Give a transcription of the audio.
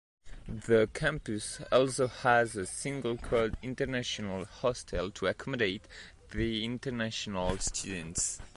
The campus also has a single coed International Hostel to accommodate the international students.